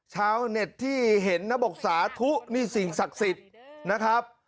ชาวเน็ตที่เห็นนะบอกสาธุนี่สิ่งศักดิ์สิทธิ์นะครับ